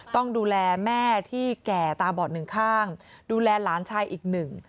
ต้องดูแลแม่ที่แก่ตาบอดหนึ่งข้างดูแลหลานชายอีกหนึ่ง